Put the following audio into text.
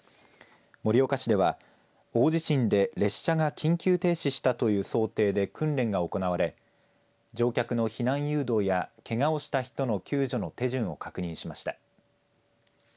盛岡市では大地震で列車が緊急停止したという想定で訓練が行われ乗客の避難誘導やけがをした人の救助の手順を確認しました。